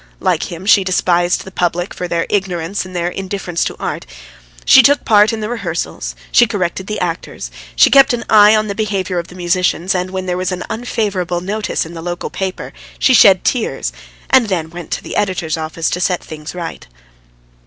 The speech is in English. Like him she despised the public for their ignorance and their indifference to art; she took part in the rehearsals, she corrected the actors, she kept an eye on the behaviour of the musicians, and when there was an unfavourable notice in the local paper, she shed tears, and then went to the editor's office to set things right.